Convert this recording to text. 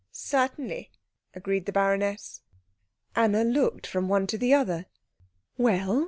"Certainly," agreed the baroness. Anna looked from one to the other. "Well?"